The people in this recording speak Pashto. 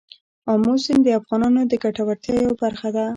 آمو سیند د افغانانو د ګټورتیا یوه برخه ده.